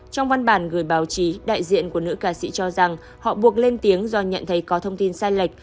trong văn bản gửi báo chí đại diện của nữ ca sĩ cho rằng họ buộc lên tiếng do nhận thấy có thông tin sai lệch